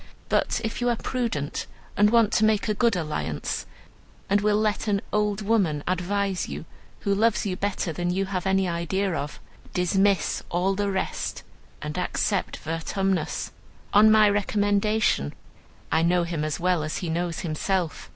But if you are prudent and want to make a good alliance, and will let an old woman advise you, who loves you better than you have any idea of, dismiss all the rest and accept Vertumnus, on my recommendation. I know him as well as he knows himself.